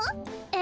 え？